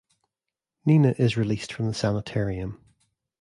Nina is released from the sanitarium.